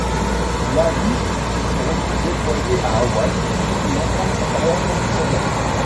Navy et se retrouve déployé à Hawaï où il entame sa carrière professionnelle.